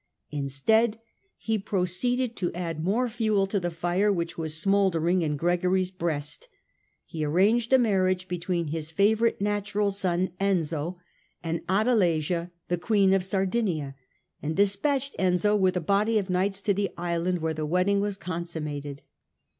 Instead he proceeded to add more fuel to the fire which was smouldering in Gregory's breast. He arranged a marriage between his favourite natural son, Enzio, and Adelasia, the Queen of Sardinia, and despatched Enzio with a body of knights to the island, where the wedding was consummated.